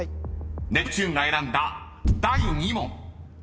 ［ネプチューンが選んだ第２問］